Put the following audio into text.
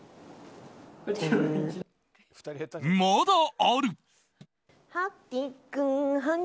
まだある。